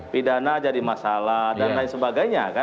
pidana jadi masalah dan lain sebagainya kan